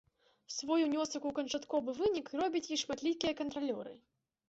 Свой унёсак у канчатковы вынік робяць і шматлікія кантралёры.